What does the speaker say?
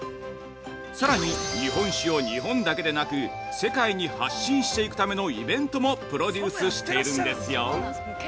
さらに、日本酒を日本だけでなく世界に発信していくためのイベントもプロデュースしているんですよ。